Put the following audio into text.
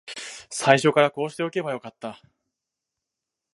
最初からこうしておけばよかった